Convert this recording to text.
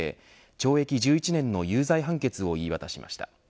懲役１１年の有罪判決を言い渡しました。